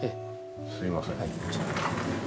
すいません。